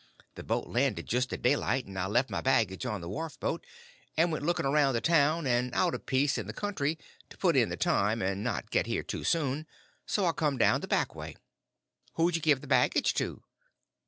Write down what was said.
The boat landed just at daylight, and I left my baggage on the wharf boat and went looking around the town and out a piece in the country, to put in the time and not get here too soon; and so I come down the back way." "Who'd you give the baggage to?"